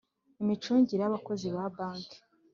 Imicungire y abakozi ba banki